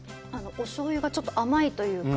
お醤油がちょっと甘いというか。